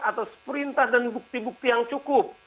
atas perintah dan bukti bukti yang cukup